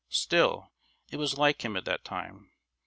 Still, it was like him at that time.